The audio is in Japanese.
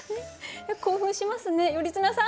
興奮しますね頼綱さん。